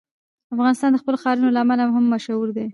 افغانستان د خپلو ښارونو له امله هم مشهور دی.